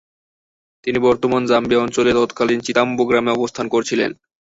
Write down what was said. তিনি বর্তমান জাম্বিয়া অঞ্চলে তৎকালীন চিতাম্বো গ্রামে অবস্থান করছিলেন।